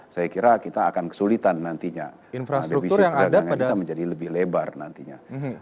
saya kira kita akan kesulitan nantinya